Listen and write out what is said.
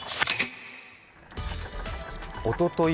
おととい